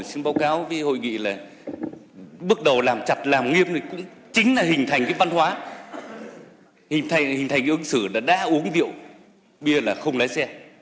xin báo cáo với hội nghị là bước đầu làm chặt làm nghiêm chính là hình thành văn hóa hình thành ứng xử đã uống rượu bia là không lái xe